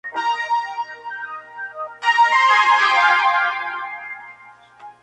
Realizó colaboraciones fotográficas en revistas como Harper's Bazaar, Life y "Architectural Forum".